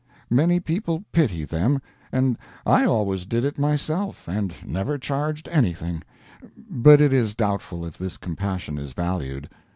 Many people pity them, and I always did it myself and never charged anything; but it is doubtful if this compassion is valued.